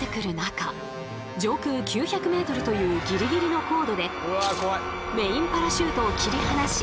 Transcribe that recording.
上空９００ｍというギリギリの高度でメインパラシュートを切り離し